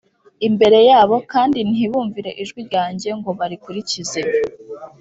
imbere yabo kandi ntibumvire ijwi ryanjye ngo barikurikize